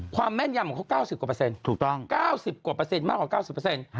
ความแม่นยำของเขา๙๐กว่าเปอร์เซ็นต์๙๐กว่าเปอร์เซ็นต์มากกว่า๙๐เปอร์เซ็นต์